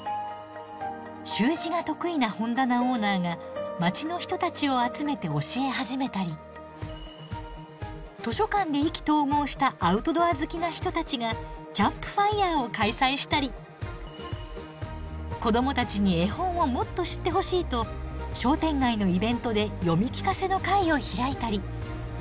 習字が得意な本棚オーナーが街の人たちを集めて教え始めたり図書館で意気投合したアウトドア好きな人たちがキャンプファイアを開催したり子どもたちに絵本をもっと知ってほしいと商店街のイベントで読み聞かせの会を開いたり。